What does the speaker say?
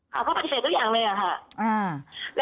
เขาปฏิเสธทุกอย่างเลยอะค่ะ